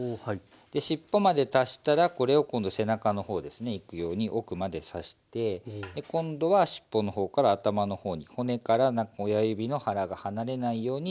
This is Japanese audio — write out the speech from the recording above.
尻尾まで達したらこれを今度背中の方ですねいくように奥まで差して今度は尻尾の方から頭の方に骨から親指の腹が離れないように動かしていきますと。